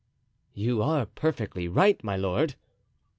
"You are perfectly right, my lord."